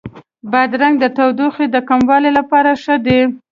بادرنګ د تودوخې د کمولو لپاره ښه دی.